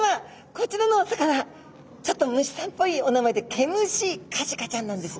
こちらのお魚ちょっと虫さんっぽいお名前でケムシカジカちゃんなんです。